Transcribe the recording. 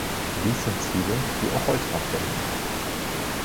Dies sind Ziele, die auch heute noch gelten.